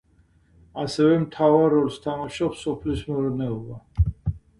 ასევე მთავარ როლს თამაშობს სოფლის მეურნეობა.